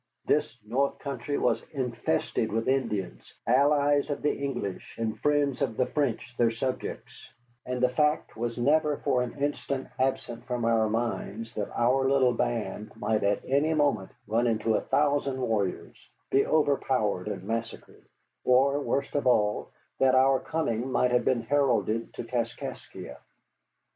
This north country was infested with Indians, allies of the English and friends of the French their subjects; and the fact was never for an instant absent from our minds that our little band might at any moment run into a thousand warriors, be overpowered and massacred; or, worst of all, that our coming might have been heralded to Kaskaskia.